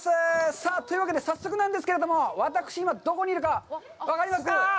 さあ、というわけで早速なんですけれども、私、今、どこにいるか分かりますか？